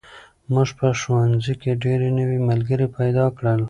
موږ په ښوونځي کې ډېر نوي ملګري پیدا کړل.